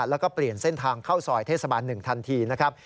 แล้วก็เปลี่ยนเส้นทางเข้าซอยเทศบาล๑ทันทีนะครับ